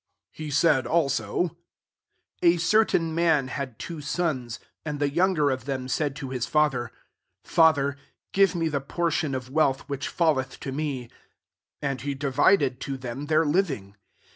11 He said also,* « A cef tain man had two sons: 12 and the younger of them said to Aw father, * Father, g^ve me the portion of wealth which faHeth to me,' And he divided to them their living.